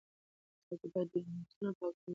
تاسي باید د جوماتونو پاکوالي ته پام وکړئ.